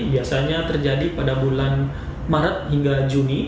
biasanya terjadi pada bulan maret hingga juni